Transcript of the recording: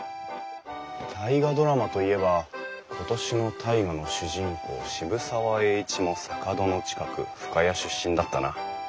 「大河ドラマ」と言えば今年の「大河」の主人公渋沢栄一も坂戸の近く深谷出身だったな。